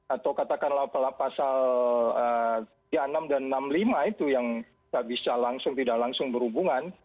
atau katakanlah pasal tiga puluh enam dan enam puluh lima itu yang bisa langsung tidak langsung berhubungan